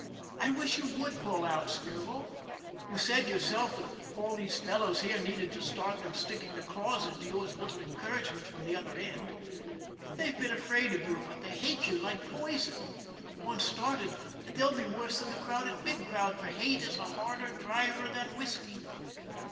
I wish you would pull out, Spirlaw. You said yourself that all these fellows here needed to start them sticking their claws into you was a little encour agement from the other end. They've been afraid of you, but they hate you like poison. Once started, they'll be worse than the crowd at Big Cloud for hate is a harder driver than whisky.